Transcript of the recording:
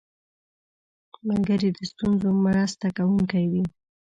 ملګری د ستونزو مرسته کوونکی وي